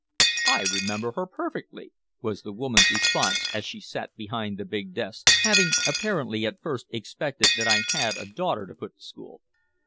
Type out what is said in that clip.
"I remember her perfectly," was the woman's response as she sat behind the big desk, having apparently at first expected that I had a daughter to put to school.